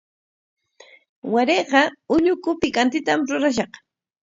Warayqa ulluku pikantitam rurashaq.